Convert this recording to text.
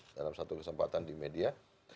dalam satu kesempatan di media